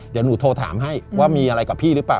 เดี๋ยวหนูโทรถามให้ว่ามีอะไรกับพี่หรือเปล่า